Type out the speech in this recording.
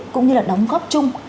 cũng như là đóng góp chung